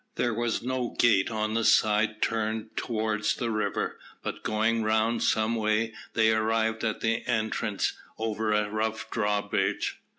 There was no gate on the side turned towards the river, but going round some way, they arrived at an entrance over a rough drawbridge.